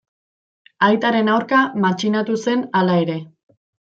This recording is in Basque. Aitaren aurka matxinatu zen hala ere.